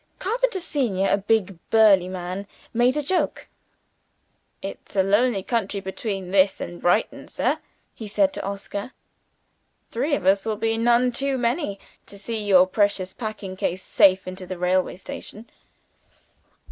Carpenter senior, a big burly man, made a joke. "It's a lonely country between this and Brighton, sir," he said to Oscar. "Three of us will be none too many to see your precious packing case safe into the railway station."